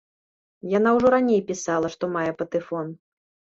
Яна ўжо раней пісала, што мае патэфон.